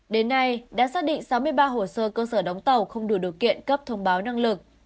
đến nay đã xác định sáu mươi ba hồ sơ cơ sở đóng tàu không đủ điều kiện cấp thông báo năng lực